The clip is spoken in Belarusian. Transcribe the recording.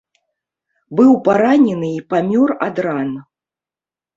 Быў паранены і памёр ад ран.